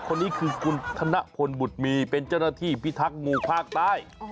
คนนี้คือคุณธนพลบุตรมีเป็นเจ้าหน้าที่พิทักษ์งูภาคใต้